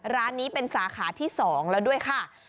ร้านนี้เป็นสาขาที่๒แล้วด้วยค่ะ